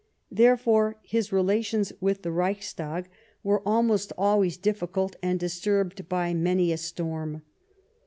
Therefore his relations with the Reichstag were 213 Bismarck almost always difficult and disturbed by many a storm.